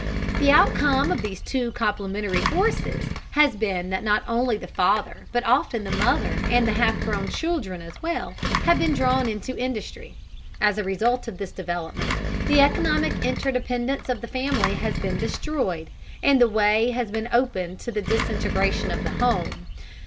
The outcome of these two complementary forces has been that not only the father, but often the mother and the half grown children as well, have been drawn into industry. As the result of this development, the economic interdependence of the family has been destroyed, and the way has been opened to the disintegration of the home.